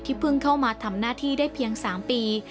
เพิ่งเข้ามาทำหน้าที่ได้เพียง๓ปี